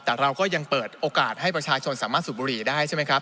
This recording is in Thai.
แต่เราก็ยังเปิดโอกาสให้ประชาชนสามารถสูบบุหรี่ได้ใช่ไหมครับ